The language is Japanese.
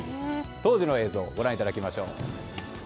当時の映像をご覧いただきましょう。